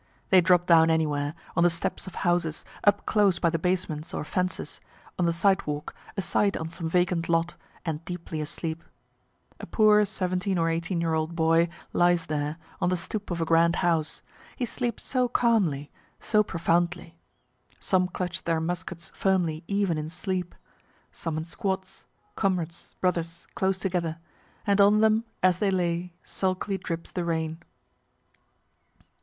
They drop down anywhere, on the steps of houses, up close by the basements or fences, on the sidewalk, aside on some vacant lot, and deeply sleep. A poor 17 or 18 year old boy lies there, on the stoop of a grand house; he sleeps so calmly, so profoundly. Some clutch their muskets firmly even in sleep. Some in squads; comrades, brothers, close together and on them, as they lay, sulkily drips the rain.